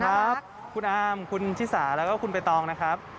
สวัสดีครับคุณอ้ามคุณชิสาแล้วก็คุณไปตองนะครับ